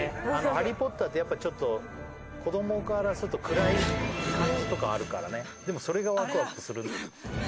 「ハリー・ポッター」ってやっぱりちょっと子供からすると暗い感じとかあるからねでもそれがワクワクする